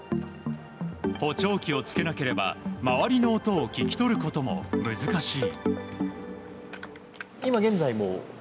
補聴器をつけなければ周りの音を聞き取ることも難しい。